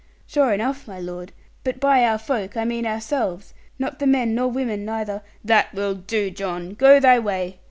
'Sure enough, my lord; but by our folk, I mean ourselves, not the men nor women neither ' 'That will do, John. Go thy way.